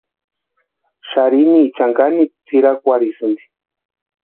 Xarhinichani kanekwa tsʼïrakwarhisïnti.